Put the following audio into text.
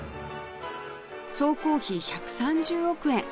総工費１３０億円